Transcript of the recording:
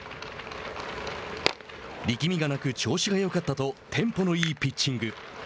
「力みがなく調子がよかった」とテンポのいいピッチング。